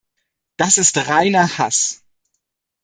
Das ist reiner Hass.